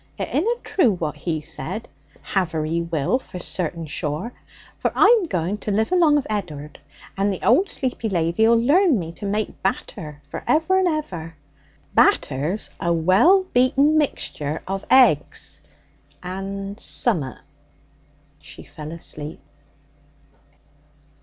It inna true what he said, "Have her he will for certain sure," for I'm going to live along of Ed'ard, and the old sleepy lady'll learn me to make batter for ever and ever. Batter's a well beaten mixture of eggs and summat.' She fell asleep.